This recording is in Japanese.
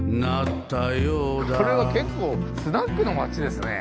これは結構スナックの町ですね。